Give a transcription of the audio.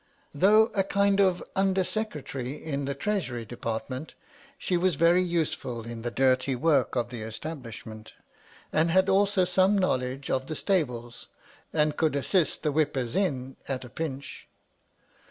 Though a kind of under secretary in the treasury department, she was very useful in the dirty work of the establishment, and had also some knowledge of the stables, and could assist the whippers in at a pinch.